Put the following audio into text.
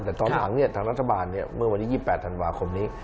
แต่ตอนหลังทางรัฐบาลเมื่อวันที่๒๘ธันวาคมนี้